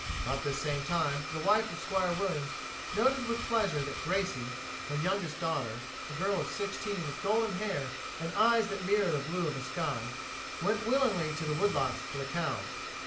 About this same time, the wife of Squire Williams noted with pleasure that Gracie, her youngest daughter a girl of sixteen with golden hair and eyes that mirror the blue of the sky went willingly to the woodlots for the cows.